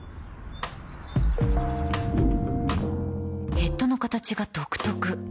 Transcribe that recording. ヘッドの形が独特